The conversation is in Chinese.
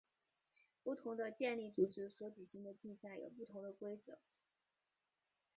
不同的健力组织所举行的竞赛有不同的规则。